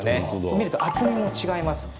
見ると厚みも違います。